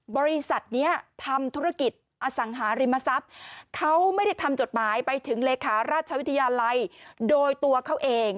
บริษัทนี้ทำธุรกิจอสังหาริมทรัพย์เขาไม่ได้ทำจดหมายไปถึงเลขาราชวิทยาลัยโดยตัวเขาเอง